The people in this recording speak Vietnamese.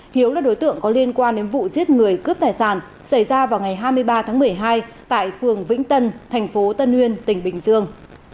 hiếu là đối tượng có liên quan đến vụ giết người cướp tài sản xảy ra vào ngày hai mươi ba tháng một mươi hai tại phường vĩnh tân thành phố tân nguyên tỉnh bình dương